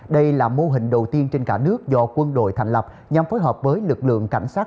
đây là mô hình đầu tiên trên cả nước do quân đội thành lập nhằm phối hợp với lực lượng cảnh sát